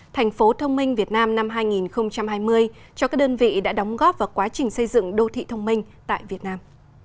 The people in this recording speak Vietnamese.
thành phố thông minh việt nam năm hai nghìn hai mươi cho các đơn vị đã đóng góp vào quá trình xây dựng đô thị thông minh tại việt nam